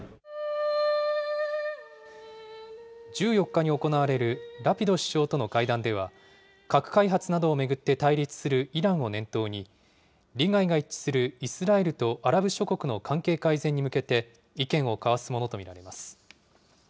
１４日に行われるラピド首相との会談では、核開発などを巡って対立するイランを念頭に、利害が一致するイスラエルとアラブ諸国の関係改善に向けて意見を交わすものと見られます。